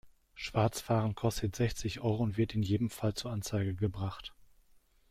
Schwarzfahren kostet sechzig Euro und wird in jedem Fall zur Anzeige gebracht.